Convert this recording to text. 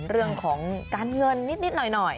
เรื่องของการเงินนิดหน่อย